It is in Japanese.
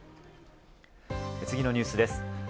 次のニュースです。